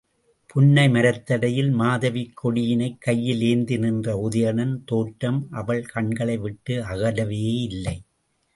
புன்னை மரத்தடியில் மாதவிக் கொடியினைக் கையில் ஏந்தி நின்ற உதயணன் தோற்றம் அவள் கண்களை விட்டு அகலவே இல்லை.